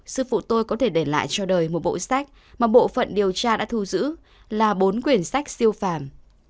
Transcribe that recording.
sư vụ tôi có thể để lại cho đời một bộ sách mà bộ phận điều tra đã thu giữ là bốn quyển sách siêu phàm